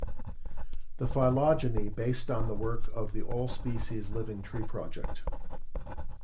The phylogeny based on the work of the All-Species Living Tree Project.